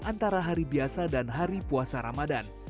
antara hari biasa dan hari puasa ramadan